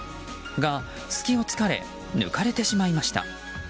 が、隙を突かれ抜かれてしまいました。